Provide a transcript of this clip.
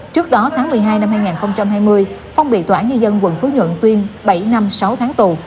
trước đó tháng một mươi hai năm hai nghìn hai mươi phong bị tỏa như dân quận phú nhuận tuyên bảy năm sáu tháng tù